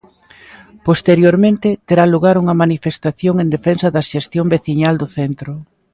Posteriormente, terá lugar unha manifestación en defensa da xestión veciñal do centro.